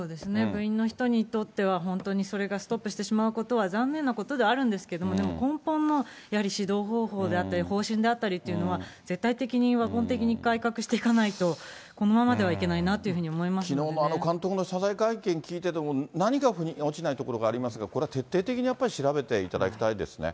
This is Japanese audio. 部員の人にとっては、本当にそれがストップしてしまうことは残念ことではあるんですけど、でも根本の、やはり指導方法であったり、方針であったりというのは、絶対的に、根本的に改革していかないと、このままではいけないなというふうきのうの監督の謝罪会見聞いてても、何か腑に落ちないところがありますが、これは徹底的にやっぱり調べていただきたいですね。